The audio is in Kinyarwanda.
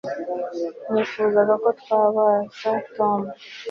Nifuzaga ko twabaza Tom